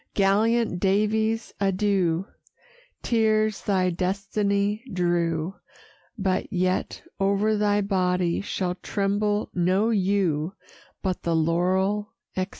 Gallant Daviess, adieu! Tears thy destiny drew; But yet o'er thy body shall tremble no yew, For the laurel, etc.